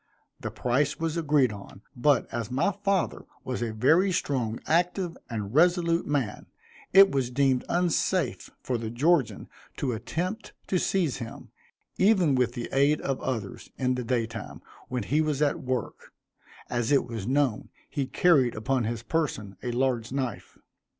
The price was agreed on, but, as my father was a very strong, active, and resolute man, it was deemed unsafe for the Georgian to attempt to seize him, even with the aid of others, in the day time, when he was at work, as it was known he carried upon his person a large knife.